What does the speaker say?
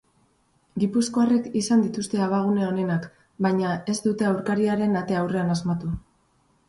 Gipuzkoarrek izan dituzte abagune onenak, baina ez dute aurkariaren ate aurrean asmatu.